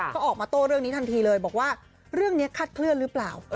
เขาออกมาโต้เรื่องนี้ทันทีเลยบอกว่าเรื่องนี้คาดเคลื่อนหรือเปล่า